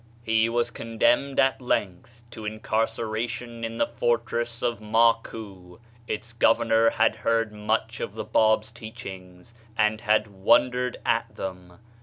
He was condemned at length to incarcera tion in the fortress of Makou. Its governor had heard much of the Bab's teachings, and had wondered at them.